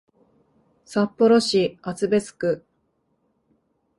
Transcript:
札幌市厚別区